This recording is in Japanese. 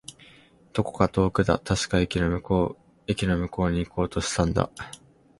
どこか遠くだ。確か、駅の向こう。駅の向こうに行こうとしたんだ。